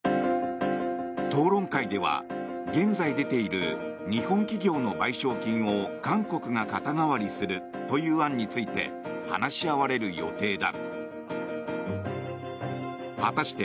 討論会では現在出ている日本企業の賠償金を韓国が肩代わりするという案について話し合われる予定だ。